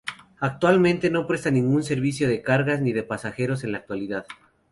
Actualmente, no presta ningún servicio de cargas ni de pasajeros, en la actualidad.